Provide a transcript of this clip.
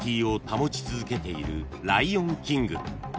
保ち続けている『ライオンキング』］